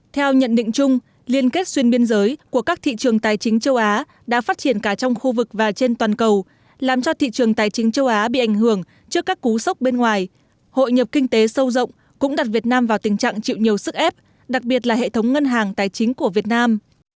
theo nhận định chung liên kết xuyên biên giới của các thị trường tài chính châu á đã phát triển cả trong khu vực và trên toàn cầu làm cho thị trường tài chính châu á bị ảnh hưởng trước các cú sốc bên ngoài hội nhập kinh tế sâu rộng cũng đặt việt nam vào tình trạng chịu nhiều sức ép đặc biệt là hệ thống ngân hàng tài chính của việt nam